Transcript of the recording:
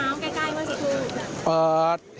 ตอนไปให้น้ำใกล้เมื่อสิทธิ์คือ